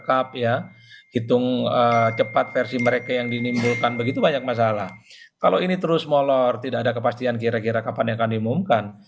ketua tetua kira kira kapan yang akan diumumkan